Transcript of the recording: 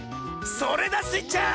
それだスイちゃん！